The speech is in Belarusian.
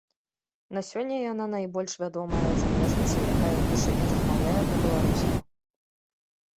На сёння яна найбольш вядомая замежніца, якая піша і размаўляе па-беларуску.